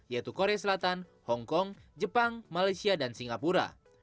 yaitu korea selatan hongkong jepang malaysia dan singapura